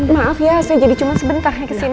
maaf ya saya jadi cuma sebentar kesini